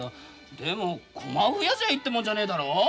でもコマを増やしゃいいってもんじゃねえだろ。